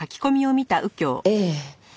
ええ。